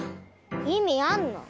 意味あんの？